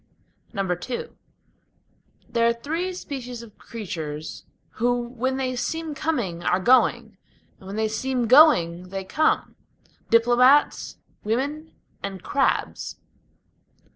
II There are three species of creatures who when they seem coming are going, When they seem going they come: Diplomates, women, and crabs.